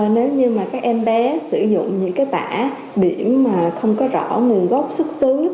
nếu như mà các em bé sử dụng những cái tải biểm mà không có rõ nền gốc xuất xứ